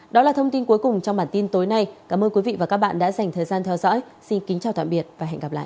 đó là thông tin cuối cùng trong bản tin tối nay cảm ơn quý vị và các bạn đã dành thời gian theo dõi xin kính chào tạm biệt và hẹn gặp lại